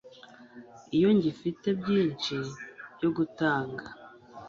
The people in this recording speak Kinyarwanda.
Iyo ngifite byinshi byo gutanga